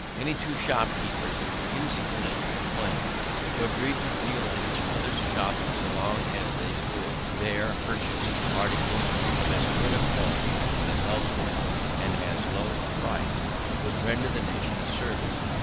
Any two shopkeepers, in insufficient employment, who agreed to deal at each other's shops so long as they could there purchase articles of as good a quality as elsewhere, and at as low a price, would render the nation a service.